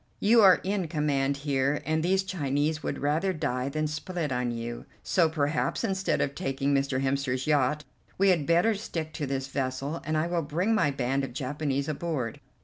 You are in command here, and these Chinese would rather die than split on you, so perhaps, instead of taking Mr. Hemster's yacht, we had better stick to this vessel, and I will bring my band of Japanese aboard.